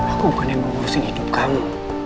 aku bukan yang mau urusin hidup kamu